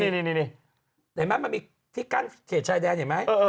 นี่เห็นไหมมันมีที่กั้นเขตชายแดนเห็นไหม